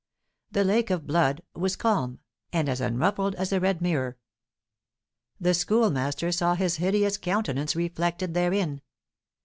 The lake of blood was calm, and as unruffled as a red mirror; the Schoolmaster saw his hideous countenance reflected therein.